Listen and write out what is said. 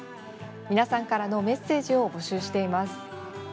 皆さんからのメッセージを募集しています。